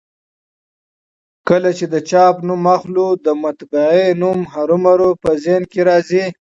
کله چي د چاپ نوم اخلو؛ د مطبعې نوم هرومرو په ذهن کي راځي.